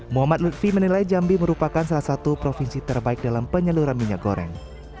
muhammad lutfi menilai jambi merupakan salah satu provinsi terbaik dalam penyaluran minyak goreng